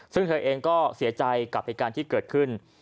ซึ่งเธอเองก็เสียใจกับเหตุการณ์ที่เกิดขึ้น